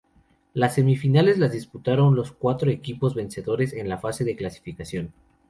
Las semifinales la disputaron los cuatro equipos vencedores en la fase de clasificación.